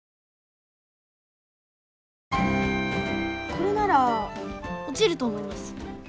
これなら落ちると思います！